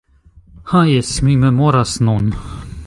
Ha jes! Mi memoras nun: